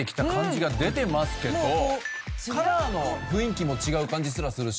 カラーの雰囲気も違う感じすらするし。